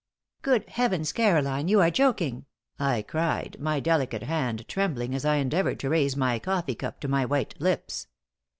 "Good heavens, Caroline, you are joking!" I cried, my delicate hand trembling as I endeavored to raise my coffee cup to my white lips.